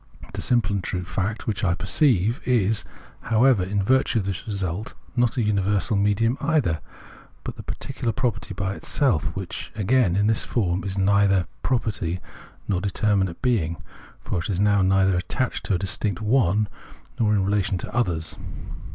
The simple and true fact, which I perceive, is, however, in virtue of this result, not a universal medium either, but the particular property by itself, which, again, in this form, is neither a pro perty nor a determinate being, for it is now neither attached to a distinct "one" nor in relation to others.